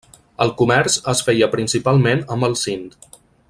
El comerç es feia principalment amb el Sind.